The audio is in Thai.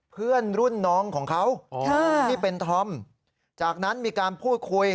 เพื่อนรุ่นน้องของเขาที่เป็นธอมจากนั้นมีการพูดคุย